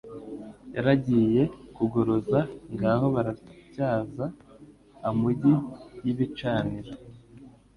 Yaragiye kugoroza Ngaho barayatyaza amugi y'ibicaniro,